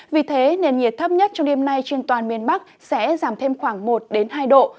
vì thế nền nhiệt thấp nhất trong đêm nay trên toàn miền bắc sẽ giảm thêm khoảng một hai độ